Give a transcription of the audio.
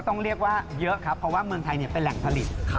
ต้องเรียกว่าเยอะครับเพราะว่าเมืองไทยเป็นแหล่งผลิต